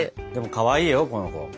でもかわいいよこの子。